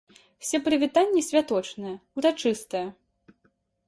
Усе прывітанні святочныя, урачыстыя.